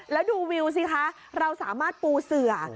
แล้วดูวิวสิคะเราสามารถปูเสือ